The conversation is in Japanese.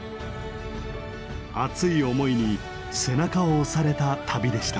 熱い思いに背中を押された旅でした。